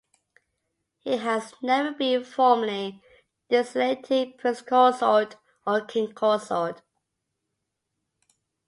He has never been formally designated Prince Consort or King Consort.